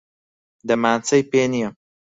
دەمانچەی پێ نییە.